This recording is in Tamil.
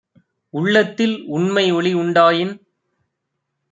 உள்ளத்தில் உண்மையொளி யுண்டாயின்